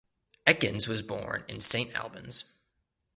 Ekins was born in St Albans.